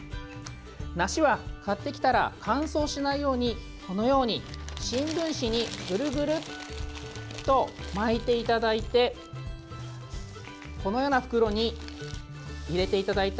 梨は買ってきたら乾燥しないように新聞紙にぐるぐると巻いていただいてこのような袋に入れていただいた